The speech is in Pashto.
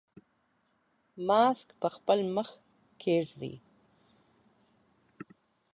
ماسک په خپل مخ کېږدئ.